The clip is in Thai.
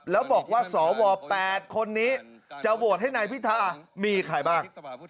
แล้วบอกว่าสว๘คนนี้จะโหวตให้นายพิธามีใครบ้าง